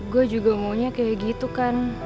gue juga maunya kayak gitu kan